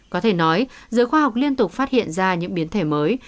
có thể nói giới khoa học liên tục phát hiện ra những biến thể mới